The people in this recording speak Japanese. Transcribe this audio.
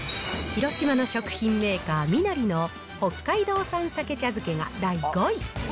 広島の食品メーカーみなりの、北海道産鮭茶漬けが第５位。